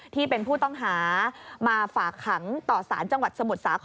ที่เป็นผู้ต้องหามาฝากขังต่อสารจังหวัดสมุทรสาคร